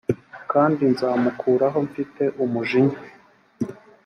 kandi nzamukuraho mfite umujinya